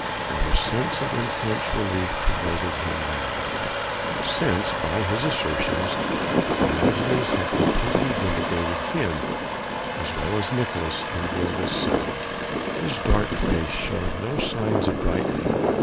Though a sense of intense relief pervaded him now, since by his assertions Diogenes had completely vindicated him as well as Nicolaes in Gilda's sight, his dark face showed no signs of brightening.